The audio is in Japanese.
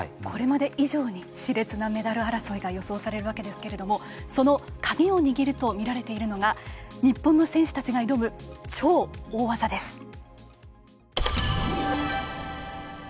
これまで以上にしれつなメダル争いが予想されるわけですけれどもその鍵を握るとみられているのが日本の選手たちが挑む超大技です。